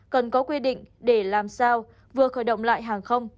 cần có quy định để làm sao vừa khởi động lại hàng không